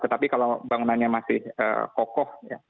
tetapi kalau bangunannya masih kokoh